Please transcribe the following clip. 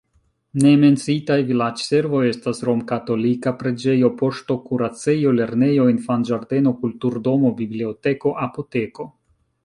Ne menciitaj vilaĝservoj estas romkatolika preĝejo, poŝto, kuracejo, lernejo, infanĝardeno, kulturdomo, biblioteko, apoteko.